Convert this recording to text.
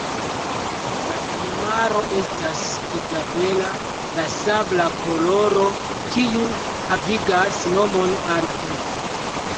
La plumaro estas izabela, la sabla koloro kiu havigas nomon al ĝi.